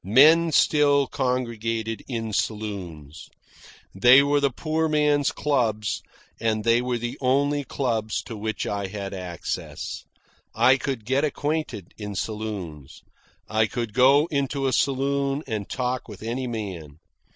Men still congregated in saloons. They were the poor man's clubs, and they were the only clubs to which I had access. I could get acquainted in saloons. I could go into a saloon and talk with any man.